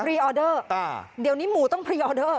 ออเดอร์เดี๋ยวนี้หมูต้องพรีออเดอร์